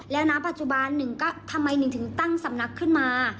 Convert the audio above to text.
ณปัจจุบันหนึ่งก็ทำไมหนึ่งถึงตั้งสำนักขึ้นมา